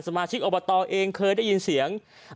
มาชิกอบตเองเคยได้ยินเสียง